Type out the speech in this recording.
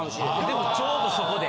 でもちょうどそこで。